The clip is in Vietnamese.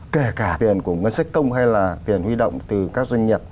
kể cả tiền của ngân sách công hay là tiền huy động từ các doanh nghiệp